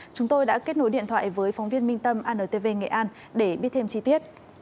chúng tôi đã kết nối điện thoại với phóng viên minh tâm antv nghệ an để biết thêm chi tiết